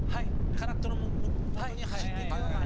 カラットのもとに走っていくよ。